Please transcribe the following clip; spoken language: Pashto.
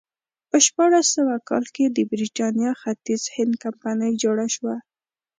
په شپاړس سوه کال کې د برېټانیا ختیځ هند کمپنۍ جوړه شوه.